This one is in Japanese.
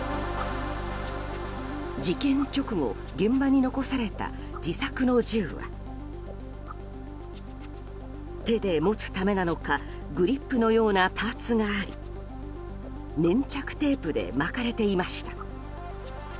事件直後現場に残された自作の銃は手で持つためなのかグリップのようなパーツがあり粘着テープで巻かれていました。